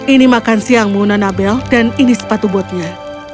ini makan siangmu nona belle dan ini sepatu botnya